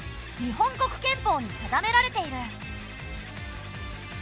日本国憲法に定められている。